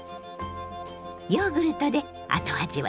ヨーグルトで後味はさっぱり。